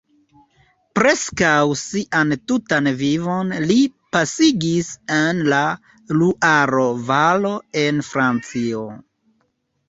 Preskaŭ sian tutan vivon li pasigis en la Luaro-valo en Francio.